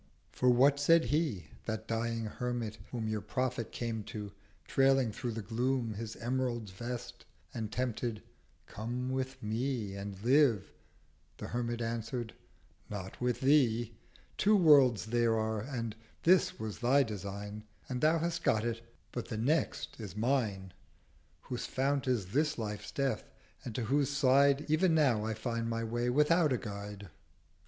280 For what said He, that dying Hermit, whom Your Prophet came to, trailing through the Gloom His Emerald Vest, and tempted—'Come with Me, And Live.' The Hermit answered—'Not with Thee. Two Worlds there are, and This was thy Design, And thou hast got it; but The Next is mine; Whose Fount is this life's Death, and to whose Side Ev'n now I find my Way without a Guide.'